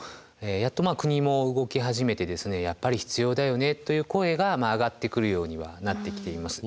やっと国も動き始めて「やっぱり必要だよね」という声が上がってくるようにはなってきています。